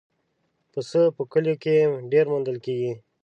پسه په کلیو کې ډېر موندل کېږي.